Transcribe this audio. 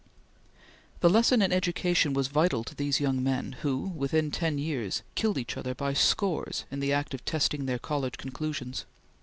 The lesson in education was vital to these young men, who, within ten years, killed each other by scores in the act of testing their college conclusions.